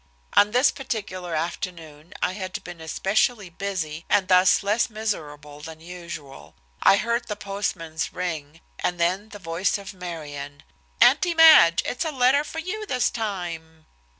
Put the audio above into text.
On this particular afternoon I had been especially busy, and thus less miserable than usual. I heard the postman's ring, and then the voice of Marion. "Auntie Madge, it's a letter for you this time."